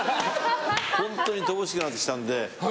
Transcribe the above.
本当に乏しくなってきたので。